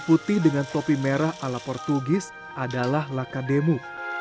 putih dengan topi merah ala portugis adalah lakademu